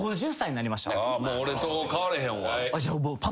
もう俺と変われへんわ。